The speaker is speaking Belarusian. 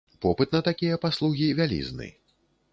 Попыт на такія паслугі вялізны.